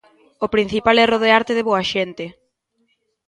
O principal é rodearte de boa xente.